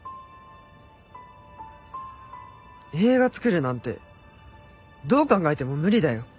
映画作るなんてどう考えても無理だよ。